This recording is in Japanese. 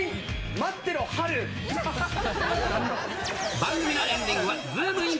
番組のエンディングは、ズームイン！！